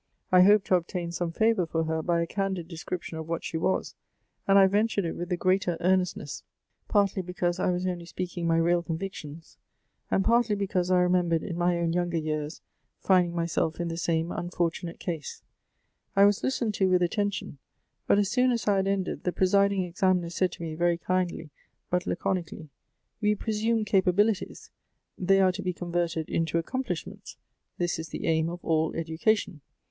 I hoped to obtain some favor for her by a can Elective Affinities. 47 did description of what she was, and I ventured it with the greater earnestness, partly because I was only speak ing my real convictions, and partly because I remember ed in my own younger years finding myself in the same unfortunate case. I was listened to with attention, but as soon as I had ended, the presiding examiner said to me very kindly but laconically, 'We presume capabili ' ties : they are to be converted into accomplishments. This is the aim of all education.